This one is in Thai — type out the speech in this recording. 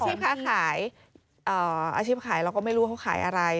ถ้าอาชีพค้าขายอาชีพค้าขายเราก็ไม่รู้ว่าเขาขายอะไร